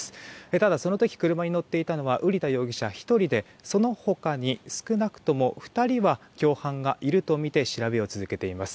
ただ、その時車に乗っていたのは瓜田容疑者１人でその他に少なくとも２人は共犯がいるとみて調べを続けています。